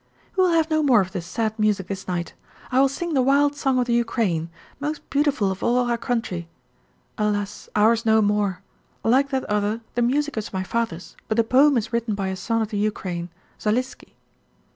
"We will have no more of this sad music this night. I will sing the wild song of the Ukraine, most beautiful of all our country, alas, ours no more Like that other, the music is my father's, but the poem is written by a son of the Ukraine Zaliski."